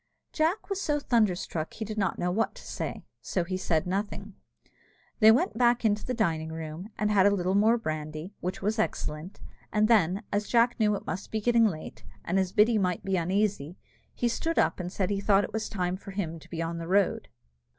Jack was so thunderstruck he did not know what to say, so he said nothing. They went back into the dining room, and had a little more brandy, which was excellent, and then, as Jack knew that it must be getting late, and as Biddy might be uneasy, he stood up, and said he thought it was time for him to be on the road.